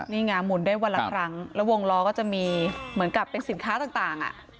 นี่ไงหมุนได้วันละครั้งแล้ววงล้อก็จะมีเหมือนกับเป็นสินค้าต่าง